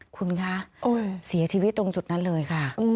คุณคะเสียชีวิตตรงจุดนั้นเลยค่ะ